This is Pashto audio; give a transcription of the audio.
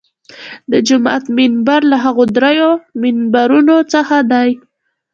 د جومات منبر له هغو درېیو منبرونو څخه دی.